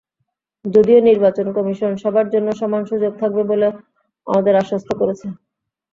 যদিও নির্বাচন কমিশন সবার জন্য সমান সুযোগ থাকবে বলে আমাদের আশ্বস্ত করেছে।